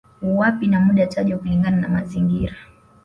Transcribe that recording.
Wapi na muda tajwa kulingana na mazingira